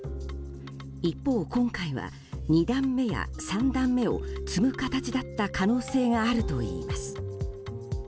一方、今回は２段目や３段目を積む形だった可能性があるといいます。